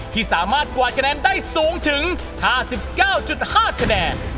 ที่สามารถกวาดคะแนนได้สูงถึง๕๙๕คะแนน